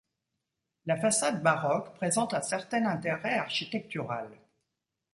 La façade baroque présente un certain intérêt architectural.